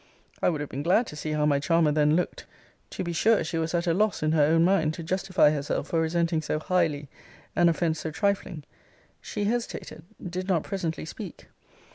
I would have been glad to see how my charmer then looked. To be sure she was at a loss in her own mind, to justify herself for resenting so highly an offence so trifling. She hesitated did not presently speak.